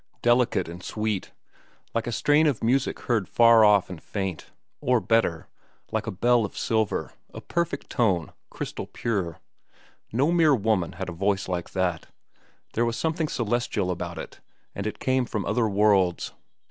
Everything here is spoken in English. —delicate and sweet, like a strain of music heard far off and faint, or, better, like a bell of silver, a perfect tone, crystal pure. No mere woman had a voice like that. There was something celestial about it, and it came from other worlds.